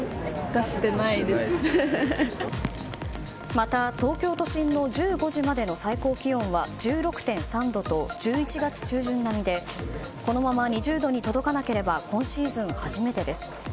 また、東京都心の１５時までの最高気温は１６．３度と１１月中旬並みでこのまま２０度に届かなければ今シーズン初めてです。